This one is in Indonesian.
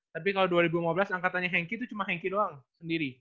tapi kalo dua ribu lima belas angkatannya henki tuh cuma henki doang sendiri